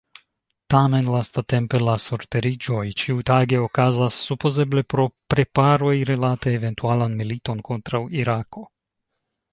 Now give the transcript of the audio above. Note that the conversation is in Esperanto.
Tamen lastatempe la surteriĝoj ĉiutage okazas, supozeble pro preparoj rilate eventualan militon kontraŭ Irako.